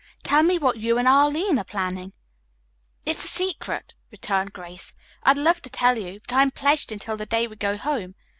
"Tell me what you and Arline are planning!" "It's a secret," returned Grace. "I'd love to tell you, but I am pledged until the day we go home.